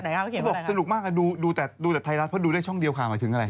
เขาบอกสนุกมากดูแต่ดูแต่ไทยรัฐเพราะดูได้ช่องเดียวค่ะหมายถึงอะไร